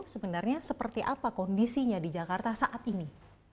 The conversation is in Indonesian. sebenarnya seperti apa kondisinya di jakarta saat ini